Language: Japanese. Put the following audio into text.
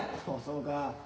おうそうか。